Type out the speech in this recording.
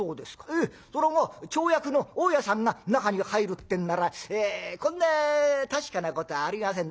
ええそらまぁ町役の大家さんが中に入るってんならこんな確かなことはありません。